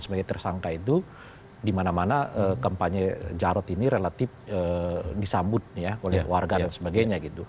sebagai tersangka itu dimana mana kampanye jarod ini relatif disambut oleh warga dan sebagainya gitu